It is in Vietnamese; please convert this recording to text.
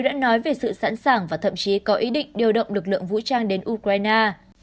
đã nói về sự sẵn sàng và thậm chí có ý định điều động lực lượng vũ trang đến ukraine